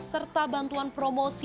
serta bantuan promosi